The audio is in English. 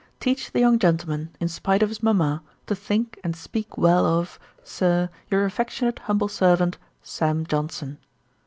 Teach the young gentleman, in spite of his mamma, to think and speak well of, 'Sir, 'Your affectionate humble servant, 'SAM. JOHNSON.'